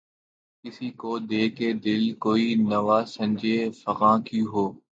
کسی کو دے کے دل‘ کوئی نوا سنجِ فغاں کیوں ہو؟